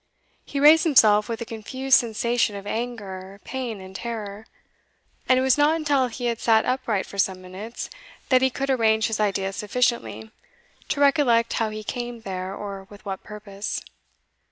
He raised himself with a confused sensation of anger, pain, and terror, and it was not until he had sat upright for some minutes, that he could arrange his ideas sufficiently to recollect how he came there, or with what purpose.